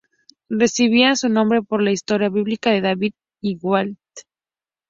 Recibían su nombre por la historia bíblica de David y Goliath.